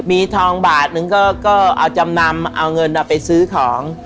มีทองบาทนึงก็เอาจำนำเอาเงินไปซื้อของ